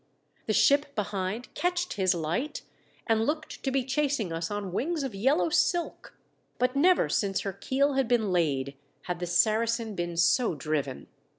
The ship behind catched his light and looked to be chasing us on wings of yellow silk. But never since her keel had been laid had the Saracen been so driven.